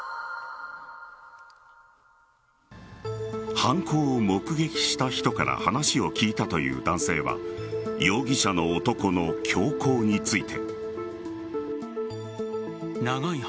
犯行を目撃した人から話を聞いたという男性は容疑者の男の凶行について。